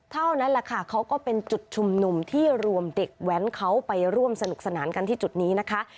เท่านั้นแหละค่ะเขาก็เป็นจุดชุมนุมที่รวมเด็กแว้นเขาไปร่วมสนุกสนานกันที่จุดนี้นะคะ